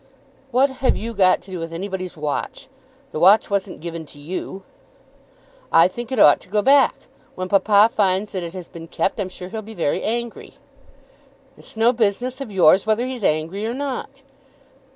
"What have you got to do with anybody's watch? The watch wasn't given to you." "I think it ought to go back. When papa finds that it has been kept I'm sure he'll be very angry." "It's no business of yours whether he's angry or not."